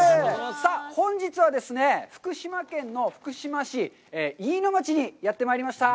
さあ、本日はですね、福島県の福島市飯野町にやってまいりました。